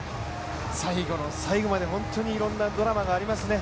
最後の最後まで本当にいろんなドラマがありますね。